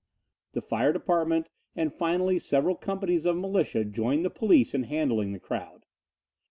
The fire department and finally several companies of militia joined the police in handling the crowd.